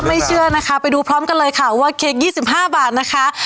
เชื่อนะคะไปดูพร้อมกันเลยค่ะว่าเค้ก๒๕บาทนะคะ